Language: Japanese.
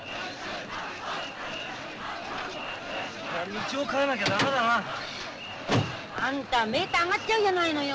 道を変えなきゃダメだな。あんたメーター上がっちゃうんじゃないのよ。